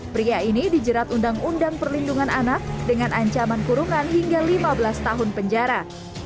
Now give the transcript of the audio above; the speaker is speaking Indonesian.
pria ini dijerat undang undang perlindungan anak dengan ancaman kurungan hingga lima belas tahun penjara